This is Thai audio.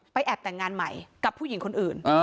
แอบแต่งงานใหม่กับผู้หญิงคนอื่น